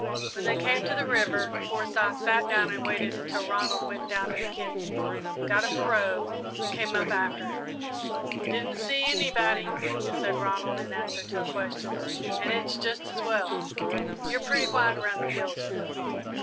When they came to the river Forsyth sat down and waited until Ronald went down to Mackenzie's, got a pirogue, and came up after him. "Didn't see anybody," said Ronald, in answer to a question, "and it's just as well. You're pretty white around the gills yet."